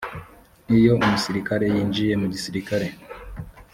iyo umusirikare yinjiye mu gisirikare